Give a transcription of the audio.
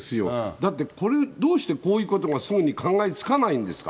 だってこれ、どうしてこういうことがすぐに考えつかないんですか。